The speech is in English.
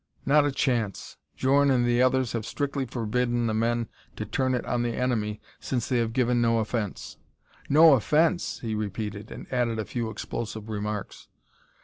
"Not a chance! Djorn and the others have strictly forbidden the men to turn it on the enemy since they have given no offense. "No offense!" he repeated, and added a few explosive remarks.